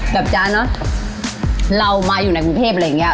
แบบจะเรามาอยู่ในกรุงเภพอะไรอย่างนี้